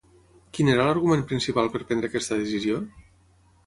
Quin era l'argument principal per prendre aquesta decisió?